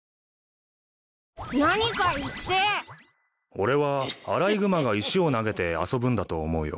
俺はアライグマが石を投げて遊ぶんだと思うよ。